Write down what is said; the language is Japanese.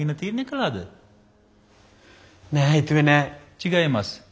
違います。